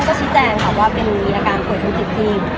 ข้อสอบแหน่งมีอาการป่วยทันติศจริง